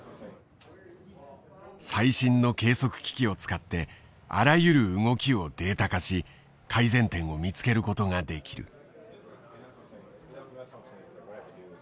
最新の計測機器を使ってあらゆる動きをデータ化し改善点を見つけることができる。